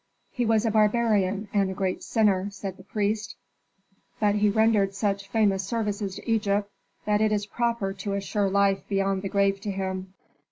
"He was a barbarian and a great sinner," said the priest, "but he rendered such famous services to Egypt that it is proper to assure life beyond the grave to him.